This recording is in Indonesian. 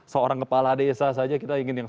seorang kepala desa saja kita ingin yang